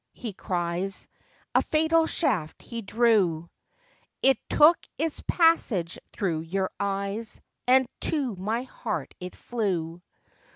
he cries, A fatal shaft he drew, It took its passage through your eyes, And to my heart it flew.